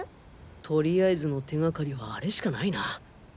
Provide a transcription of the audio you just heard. とりあえずの手がかりはアレしかないな。